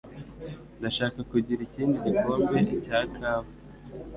Ndashaka kugira ikindi gikombe cya kawa